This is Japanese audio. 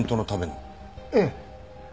ええ。